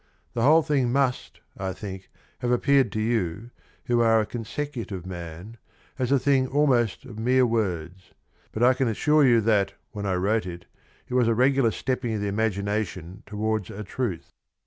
The whole thing must, I think, have appeared to you, who are a consecutive man, as a thing almost of mere words, but I assure you that, when I wrote it, it was a regular stepping of the Imagiiia tion towards a truth.